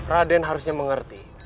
raden harusnya mengerti